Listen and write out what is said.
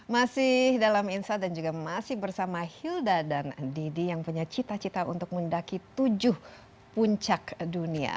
masih dalam insight dan juga masih bersama hilda dan didi yang punya cita cita untuk mendaki tujuh puncak dunia